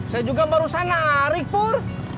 saya juga barusan narik pur